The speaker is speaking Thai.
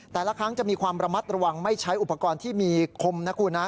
แต่ละครั้งจะมีความระมัดระวังไม่ใช้อุปกรณ์ที่มีคมนะคุณนะ